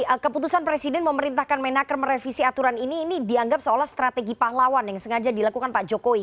jadi keputusan presiden memerintahkan menaker merevisi aturan ini ini dianggap seolah strategi pahlawan yang sengaja dilakukan pak jokowi